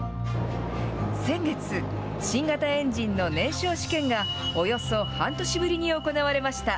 先月、新型エンジンの燃焼試験が、およそ半年ぶりに行われました。